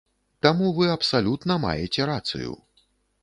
Таму вы абсалютна маеце рацыю.